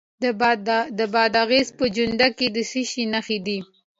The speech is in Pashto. د بادغیس په جوند کې د څه شي نښې دي؟